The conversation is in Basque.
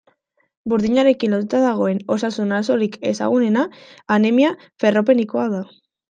Burdinarekin lotuta dagoen osasun arazorik ezagunena anemia ferropenikoa da.